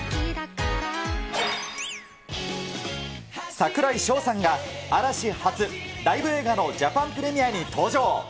櫻井翔さんが嵐初、ライブ映画のジャパンプレミアに登場。